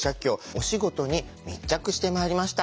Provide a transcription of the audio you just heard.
お仕事に密着してまいりました。